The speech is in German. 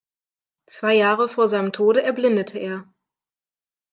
Zwei Jahre vor seinem Tode erblindete er.